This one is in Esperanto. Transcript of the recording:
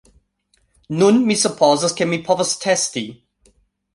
Nu, mi supozas, ke mi povas testi